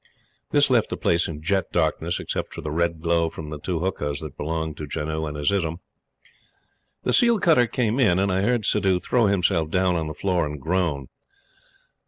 This left the place in jet darkness, except for the red glow from the two huqas that belonged to Janoo and Azizun. The seal cutter came in, and I heard Suddhoo throw himself down on the floor and groan.